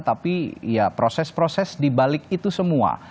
tapi ya proses proses dibalik itu semua